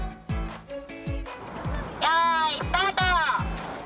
よーい、スタート！